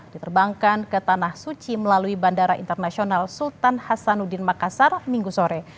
diterbangkan ke tanah suci melalui bandara internasional sultan hasanuddin makassar minggu sore